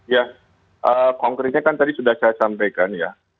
ya konkretnya kan tadi sudah saya sampaikan ya